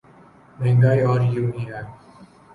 مہنگائی اور ہونی ہے۔